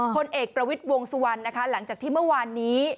พลเอกประวิทย์วงสุวรรณนะคะหลังจากที่เมื่อวานนี้